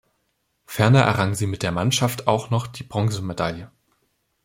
Ferner errang sie mit der Mannschaft auch noch die Bronzemedaille.